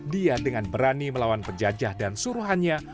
dia dengan berani melawan penjajah dan suruhannya